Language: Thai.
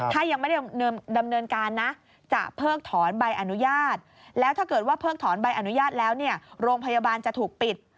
ถ้ายังไม่ได้ดำเนินการนะจะเพิกถอนใบอนุญาตแล้วถ้าเกิดว่าเพิกถอนใบอนุญาตแล้วเนี่ยโรงพยาบาลจะถูกปิด